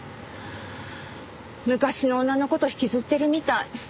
昔の女の事引きずってるみたい。